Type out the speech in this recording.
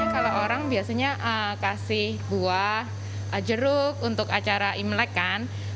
kalau orang biasanya kasih buah jeruk untuk acara imlek kan